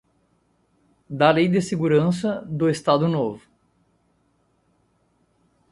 da Lei de Segurança do Estado Novo